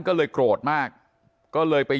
ก็เลยโกรธมากก็เลยไป